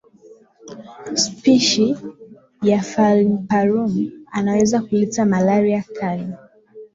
spishi ya falciparuum anaweza kuleta malaria kali